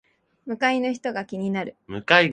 向かい側の人が気になる